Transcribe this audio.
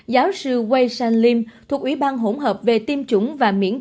giáo sư wei shan lim thuộc ủy ban hỗn hợp về tiêm chủng và miễn dịch